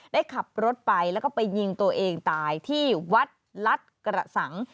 ได้ขับรถไปแล้วก็ไปยิงตัวเองตายที่วัดลัดกระสัง